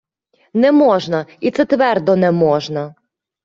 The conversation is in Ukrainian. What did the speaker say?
Не можна, і це твердо не можна.